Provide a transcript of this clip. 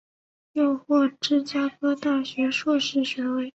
又获芝加哥大学硕士学位。